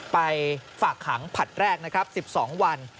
ฝากขังผลัดแรกนะครับ๑๒วัน